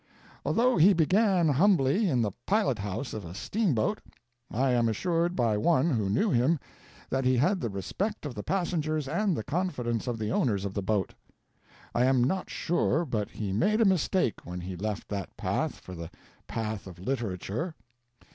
Although he began humbly in the pilot house of a steamboat, I am assured by one who knew him that he had the respect of the passengers and the confidence of the owners of the boat. I am not sure but he made a mistake when he left path for the path of literature.